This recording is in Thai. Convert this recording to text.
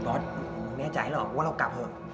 บอสแม่ใจหรอว่าเรากลับเถอะ